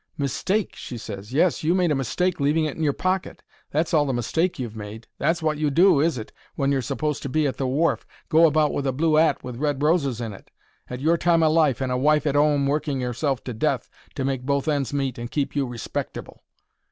"Mistake?" she ses. "Yes, you made a mistake leaving it in your pocket; that's all the mistake you've made. That's wot you do, is it, when you're supposed to be at the wharf? Go about with a blue 'at with red roses in it! At your time o' life, and a wife at 'ome working herself to death to make both ends meet and keep you respectable!"